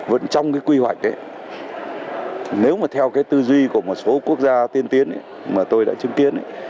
vẫn trong cái quy hoạch ấy nếu mà theo cái tư duy của một số quốc gia tiên tiến mà tôi đã chứng kiến ấy